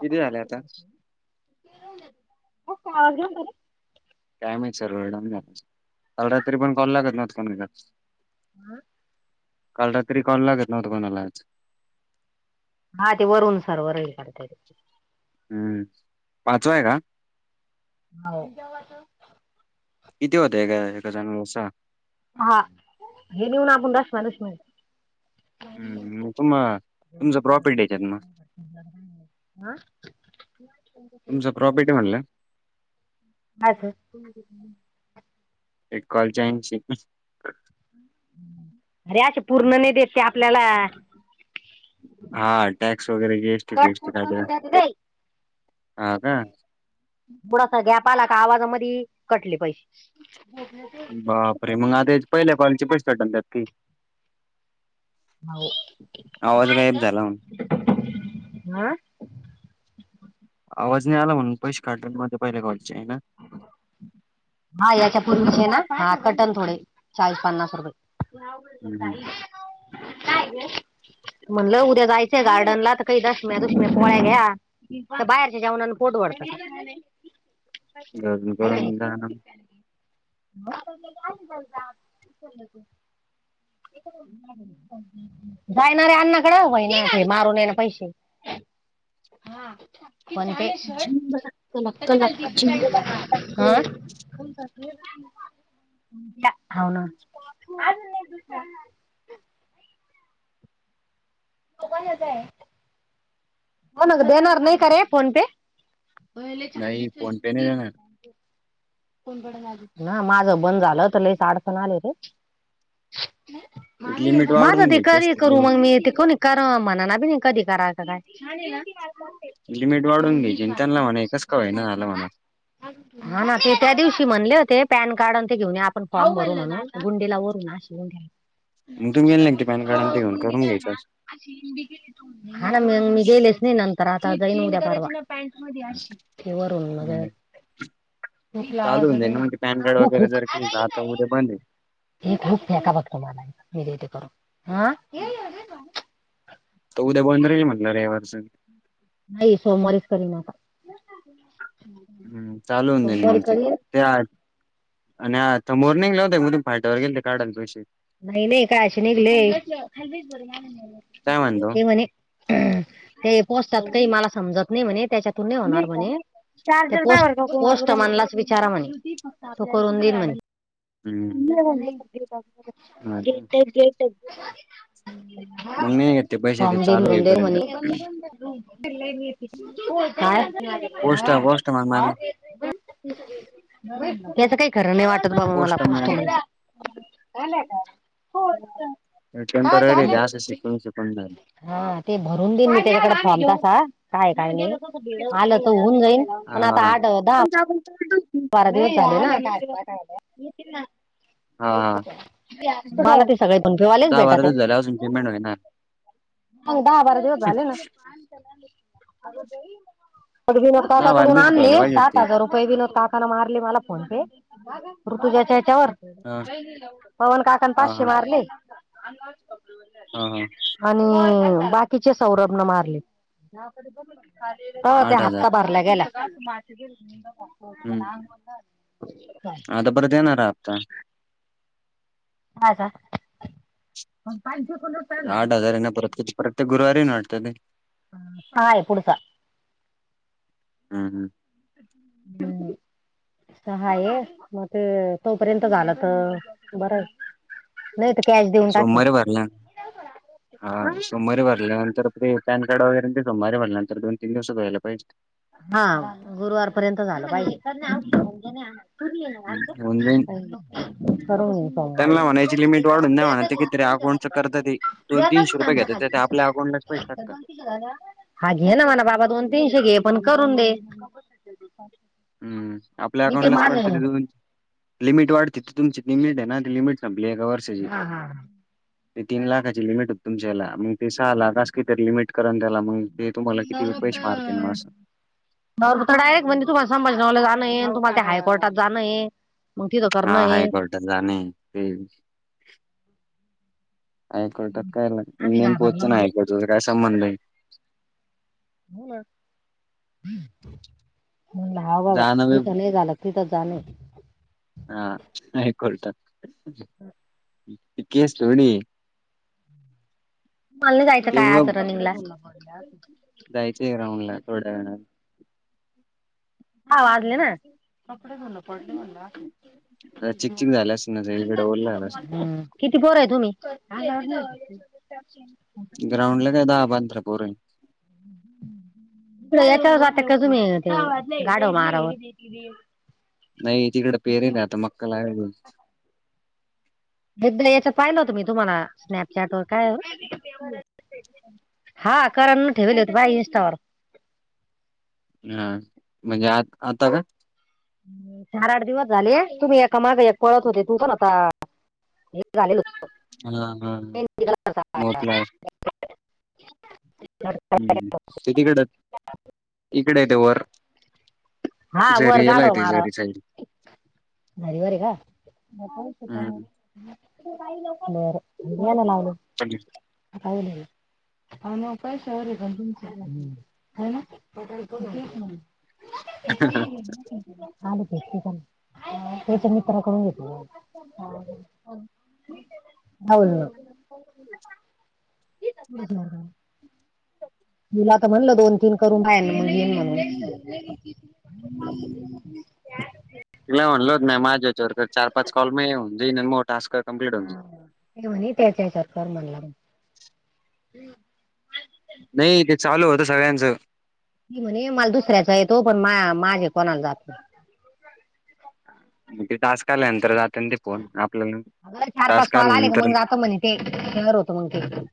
किती झाले आता [unintelligible] काय सर्वर डाऊन आहे, काल रात्री पण कॉल लागत नव्हता म्हणला. हां काल रात्री कॉल लागत नव्हत कोणालाच. हा ते वरून सर्वर हे करते ते. हम्म पाचवा आहे का? हाव. किती होते गं एका जणोला सा हा हे नेऊन आपण. [unintelligible] हम्म मी तुम्हा [inaudible] तुमचं हां. प्रॉफिट आहे म्हणला? आजुन खूप दुखत एक कॉलचा ऐंशी अरे अशे पूर्ण नाही देत ते आपल्याला. हा टॅक्स वगैरे जे एसी टी, बी कट एस टी कुठ काय ते हा का? थोडासा गॅप आला का आवाजामध्ये कटले पैशे. बापरे! मग आदी ह्याचा पहिल्या कॉलचे पैशे डाल्यात की. हाव आवाज हां. गायब झाला म्हणून आवाज नाही आला म्हणून पैसे [unintelligible] ना. हा याच्या पूर्वीचे ना, हा कटन थोडे चाळीस पन्नास रुपये. हम्म हम्म. काय गं. म्हणलं उद्या जायचं गार्डनला तर, काही दशम्या दुशम्या पोळ्या घ्या. तर बाहेरच्या जेवणाण, पोट भरत का, घरून हे कणी करून जा ना [unintelligible] [inaudible] जायणारे अण्णाकड, व्हाईन मारून ये ना पैसे. हा. कोणते झिंग लक लक झिंग लक झिंग लक [inaudible] हव ना. [unintelligible] होण गं देणार नाही कैरे, फोन पे लै छान नाही दिसतंय फोन पे नाही ती. देणार [unintelligible] ना माझं बंद झालं तर, लैच अडचण आली होती. लिमिट माझं वाढून ते घ्यायची करी असते करू, लिमिट मग मी ते कोणी. कराव म्हणान, अभी नाही कधी करायचं काय. लिमिट वाढून घ्यायची. आणि त्यांना म्हणा कसं काय होईना झालं म्हणावं. [unintelligible] ह ना, ते त्या दिवशी म्हणले होते. पॅन कार्ड आणि ते घेऊन या, आपण फॉर्म भरू म्हणून गुंडीला वरुन‌ आण. [unintelligible] मग तुम्ही गेले नाही ते पॅन कार्ड आणि घेऊन करून घ्यायचस. हां ना मी, गेलेच नाही नंतर, आता जाईन उद्या परवा. ते वरून हम्म बगावेत. हुक चालू लावायच होऊन जाईल ना मग ते पॅन तिकडं कार्ड वगैरे हुकहूक. जर केलं तर आता उद्या बंद आहे ते खूप [unintelligible] मी देतेे करून तो उद्या बोलनार काय रे म्हटलं रविवारच. नाहीय सोमवारीच करणार आता, सोमवारी करीण, [unintelligible] फाट्या वर गेल ते काढाल पैसे नाही नाही काय आशी निघले. काय म्हणतो ते म्हणे, ते पोस्टात काही मला समजत नाही म्हणे, त्याच्यातून नाही होणार म्हणे. ते पोस पोस्ट म्हनला विचारा म्हणे, तो करून देईन म्हणे. [unintelligible] [inaudible] [inaudible] मग नाही घेत ते पैसे ते चालू होईपर्यंत पोस्ट पोस्ट मग मा त्याचं काही, खर नाही वाटत बाबा, मला पोस्ट मॅन पोस्टमनचं. टेंपरवरी का, अस शिकून शिकून झालं. हा ते भरून देईन मी, त्याच्याकडे फांम तसा काय काय नाही. आलं तर होऊन जाईन. हा पण हा आता आठ दहा, [unintelligible] चार दिवस झालं ना आता [unintelligible] हा. मला ते सगळे पन, फिवालेच दहा बारा भेटत दिवस ये. झाले अजून पेमेंट होईना. हो. दहा बारा दिवस झाले ना, थोडं विनोद दहा बारा काकाकडून दिवसात आणली, व्हायला पाहिजे सात होते हजार रुपये. कै विनोद काकान मारली मला फोन पे, ऋतुजाच्या हेच्यावर. हा पवन काकानी हा पाचशे मारली. हां. हां. हो, बाकीचे सौरभन मारले. हो ते आठ हजार हप्ता भराला गेलाय. हम्म [unintelligible] काय आता परत येणारा हप्ता माझा [unintelligible] आठ हजार आहे ना, परत [unintelligible] प्रत्येक गुरुवारी ना वाटत ते हाय पुढचा हम! हम. हम! हाय आहे, मग ते तोपर्यंत झालं तर भरायच. नई ते सोमवारी भरला [unintelligible] [inaudible] हा सोमवारी भरल्यानंतर, ते पॅन कार्ड वगैरे ते सोमवारी भरल्यानंतर, दोन-तीन दिवसात व्हायला पाहिजे. हा, गुरुवारपर्यंत झालं पाहिजे. हम्म, होऊन जाईन [unintelligible] भरून येईन सोमवारी त्यांना म्हणायची लिमिट वाढून द्या म्हणा ते अकाउंट चेक करता येतय, दोन-तीनशे रुपये घेतात, ते आपल्या अकांटलाच पैसे टाकतात. हा घे ना म्हणव बाबा, दोन-तीनशे घे, पण करून दे. हम्म! आपल्या मी ते अकाउंटलाच माझ पडतं तर ते. [unintelligible] लिमिट वाढते ती, तुमची लिमिट आहे ना ती लिमिट संपली एका वर्षाची ते तीन लाखाची लिमिट होत तुमच्या हेला, मग ते सहा लाख अस काय तरी लिमिट करा ना त्याला मग, ते तुम्हाला कितीे [unintelligible] मारतील मग असं. तर डायरेक्ट म्हणजे, तुम्हाला समजवलं जाणं तुम्हाला त्या हायकोर्टात जाण हे. हा, हायकोर्टात जाणे. हाय कोर्टात काय आम्ही [unintelligible] पोच घाबरलो नाही, हायकोर्ट [unintelligible] चा काय संबंध नाही. हा [unintelligible] बाबा, जाणं बी इथ लय झालत. तिथच जाणे. हा, हायकोर्टात, ती केस थोडी हे मला नाही जायचं, ते काय आज उगं रनिंगला जायचंय राऊंडला थोड्या वेळानं. हा वाजले ना, कपडे [unintelligible] चिकचिक झालं अस ना, [unintelligible] झालं असल. किती पोर आहे तुम्ही? ग्राउंडला काय दहा-पंधरा पोर हाय. [unintelligible] जाताय काय तुम्ही गाडव मारा व [inaudible] नाही तिकडं पेरेल आता, मक्का लावायचा एकदा याच पाहिलं होत मी तुम्हाला, स्नॅपचॅट वर काय हा, करण ठेवलेत बाई इन्स्टावर हा, म्हणजे आ आता का? चार आठ दिवस झाले, तुम्ही एका माग एक पळत होते, [unintelligible] पन आता हे झाले हो. हा. हा. [unintelligible] होतं. हा, ते तिकड इकड ते वर. हा, वर झरी याला आहे गाडव ती मार झरी साईड हरवारी का? बर हम्म घे मग आवरून. [inaudible] पहिलं आहे. अवो [unintelligible] [inaudible] [unintelligible] [inaudible] आले तेिकण तच्या मित्राकडून येते. हा होय होय होय. [unintelligible] तुला तर म्हणल दोन तीन करून राहिलं मग घे म्हणून. तूला म्हणलो नाही माझ्या ह्याच्यावर चार पाच कॉल मे हो म टास्क कंप्लीट होऊन जाईल. तेव त्याच्या ह्याच्यात कर म्हणला. नाही ते चालू होतं सगळ्यांचं. मी म्हणे मला दुसऱ्याचा येतो पण मा माझे कोणाला जात नाही. ती टास्क आल्यानंतर जाता न ते. कोण आपल्याला. अगर चार पाच टास्क कॉल आले का आल्यानंतर मग जातो म्हणे ते शेअर होत मग ते.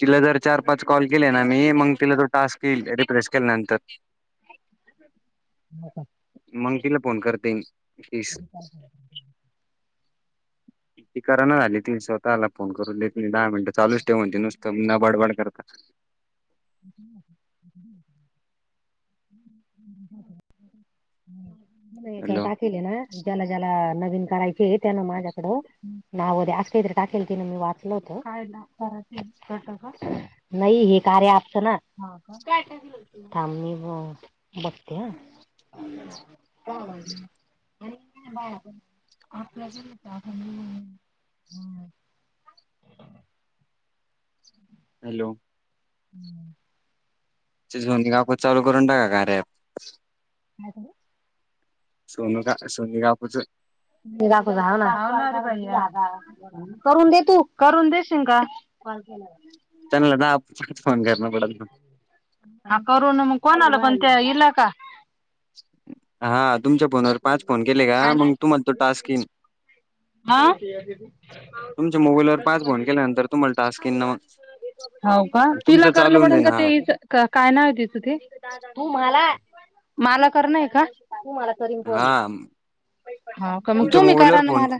तिला जर चार पाच कॉल केले ना मी मग तिला तो टास्क रिप्लेस केल्यानंतर. [unintelligible] मग तिला फोन करते तीस. कराना झाली ती स्वतःला फोन करून नाही दहा मिनटं चालूच ठेवण ते नुसतं न बडबड करता. [unintelligible] याच्यावर हॅलो टाकेल ना ज्याला ज्याला नवीन करायचे त्यान माझ्याकडं. नाव दे अस काहीते काय केल तिन मी वाचल होत. नाही हे कार्या अँप. थांब मी बघते हा [unintelligible] [unintelligible] हॅलो [unintelligible] त्यांचं जाऊ दे आपण चालू करून टाका कार्या ॲप. [unintelligible] सोनु का सोन काकूच दाखव हे ना करून देतू करून दे श का [unintelligible] त्या लढा फोन कर बड ह करुणा म कोणाला त्या हिला का. हा तुमच्या फोनवर पाच फोन केले का मग तुम्हाला तो टास्क येईन. हा तुमच्या मोबाईलवर पाच फोन केल्यानंतर तुम्हाला टास्क येईन ना हो का तिला तुमचं करण चालू होऊन पडेल जाईन का हा ते. काय नाव आहे तीच ते तुम्हाला मला करणार का? हा का मग तुमच्या तुम्ही क मोबाईलवर ना फोन मला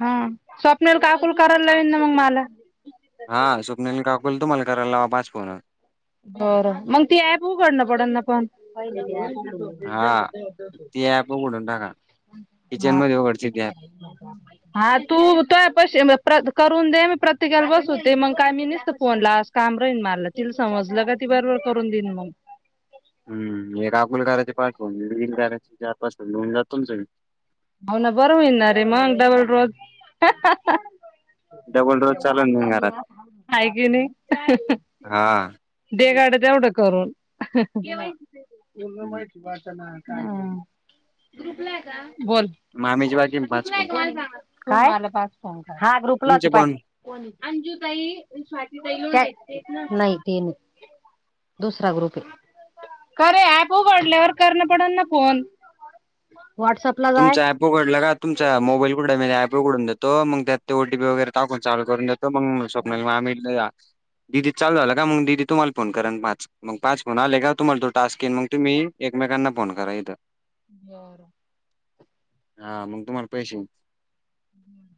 हा स्वप्ने लागली काकुल करायला लावील ना मग मला हा स्वप्ने काकूला तुम्हाला करायला लावा पाच फोन बरं मग ती ऍप उघडणं पडल ना पण हा ती ऍप उघडून टाका किचन हा मध्ये उघडची ती ऍप हा तू तोय पशी करून दे मी प्रत्येकाला बसवते मग काय मी नसत फोनलात काम राहीन मारलं तिला समजलं का ती बरोबर करून देईन मग हम् हे राकुल काच्या पासून निला चार पासून घेऊन जातो ना सग म हो ना सर्व ना रे मग डबल जर डबल रोज चालून जाईन घरात आहे की नाही हा देवांग तेवढं करून पूर्ण माहिती वाटत बोल मामीचे बाकी पाच फोन हा ग्रुपलाच तुमचे पण पाहिजे अंजू ताई आणि स्वाती ताई नाही ते नाही दुसरा ग्रुप आहे कारे ऍप उघडल्यावर करण पडल ना फोन वॉट्सप तुमचा ऍपो घडला का तुमचा मोबाईल कु पोकडून जातो त मग त्यात ते ओटीपी वगैरे टाकून चाल करून देतो म स्वप्न मग आम्ही दिदी चालू झाला का मग दिदी तुम्हाला फोन करा पाच मग पाच फोन आले का तुम्हाला तो टास्क येईन मग तुम्ही एकमेकांना फोन करा इथं बरं हा मग तुम्हाला पैसे हम्म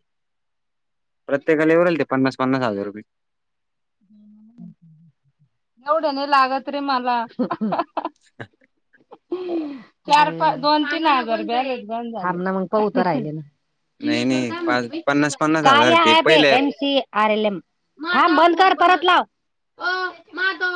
प्रत्येकाला वर्तले पन्स पन्स हजार रुये एवढ्या नाही लागत रे मला [unintelligible] चार पाच दोन तीन हजार बॅरज मग कौत राहिले ना नाही नाही पा पन्नास पन्नास हजार कार्या ते ऍप आहे पहिले एम सी आर एल एमम बंद कर परत लाव